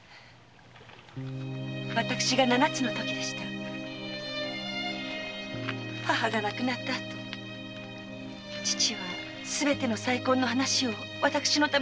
私が七つのときでした母が亡くなったあと父はすべての再婚の話を私のために断ったのです。